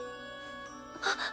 あっ。